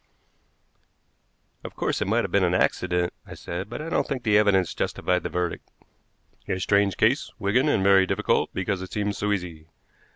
"Of course it might have been an accident," I said, "but I don't think the evidence justified the verdict." "A strange case, Wigan, and very difficult because it seems so easy.